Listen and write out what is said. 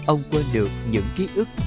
ông quên được những ký ức